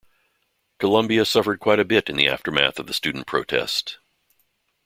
Columbia suffered quite a bit in the aftermath of the student protest.